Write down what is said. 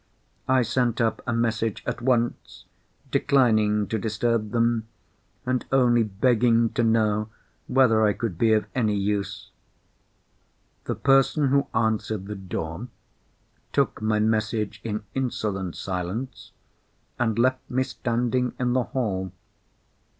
I sent up a message at once, declining to disturb them, and only begging to know whether I could be of any use. The person who answered the door, took my message in insolent silence, and left me standing in the hall.